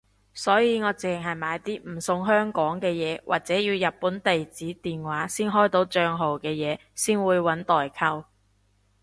所以我淨係買啲唔送香港嘅嘢或者要日本地址電話先開到帳號嘅嘢先會搵代購